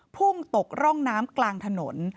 พุ่งตกร่องน้ำกลางถนน